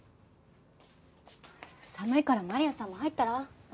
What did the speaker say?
寒いからマリアさんも入ったら？